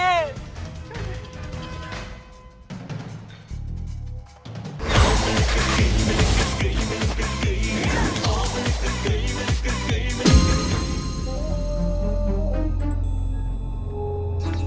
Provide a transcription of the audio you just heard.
พี่มีเงินจริงด้วย